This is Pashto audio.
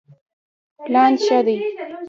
پلان ښه دی.